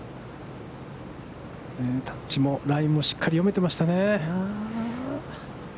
タッチも、ラインもしっかり読めてましたね。